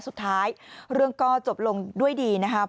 สุดท้ายเรื่องก็จบลงด้วยดีนะครับ